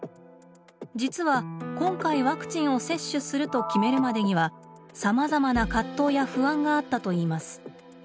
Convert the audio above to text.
実は今回ワクチンを接種すると決めるまでにはさまざまな葛藤や不安があったといいます。